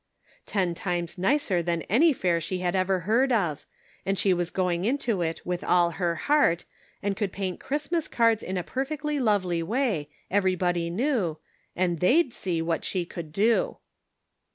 Ten times nicer than any fair she had ever heard of, and she was going into it with all her heart, and could paint Christmas cards in a perfectly lovely way, everybody knew, and they'd see what she would do."